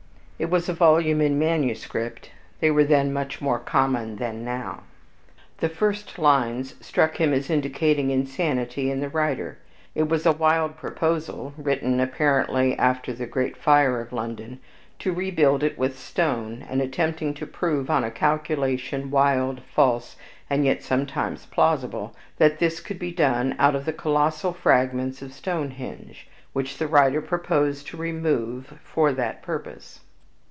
It was a volume in manuscript, they were then much more common than now. The first lines struck him as indicating insanity in the writer. It was a wild proposal (written apparently after the great fire of London) to rebuild it with stone, and attempting to prove, on a calculation wild, false, and yet sometimes plausible, that this could be done out of the colossal fragments of Stonehenge, which the writer proposed to remove for that purpose.